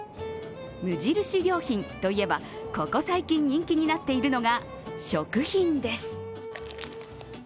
無印良品といえば、ここ最近人気になっているのが食品です。